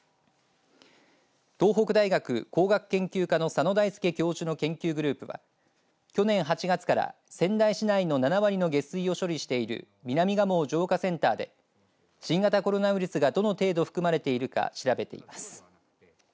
東北大学工学研究科の佐野大輔教授の研究グループは去年８月から仙台市内の７割の下水を処理している南蒲生浄化センターで新型コロナウイルスがどの程度含まれているか調べています。